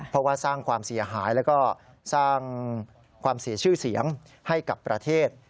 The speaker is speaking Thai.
เพราะว่าสร้างความเสียหายแล้วก็สร้างความเสียชื่อเสียงให้กับประเทศ